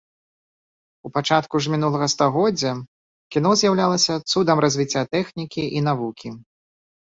У пачатку ж мінулага стагоддзя кіно з'яўлялася цудам развіцця тэхнікі і навукі.